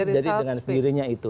jadi dengan spiritnya itu